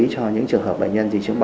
cho những trường hợp bệnh nhân gì chứng bỏ